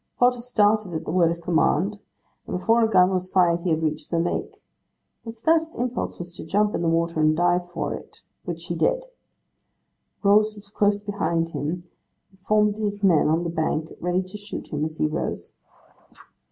Potter started at the word of command, and before a gun was fired he had reached the lake. His first impulse was to jump in the water and dive for it, which he did. Rose was close behind him, and formed his men on the bank ready to shoot him as he rose.